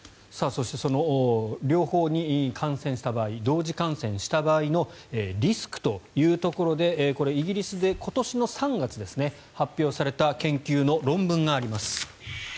そして両方に感染した場合同時感染した場合のリスクというところでこれ、イギリスで今年３月に発表された研究の論文があります。